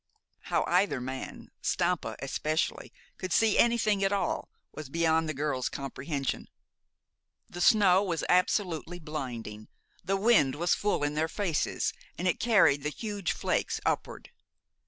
How either man, Stampa especially, could see anything at all, was beyond the girl's comprehension. The snow was absolutely blinding. The wind was full in their faces, and it carried the huge flakes upward.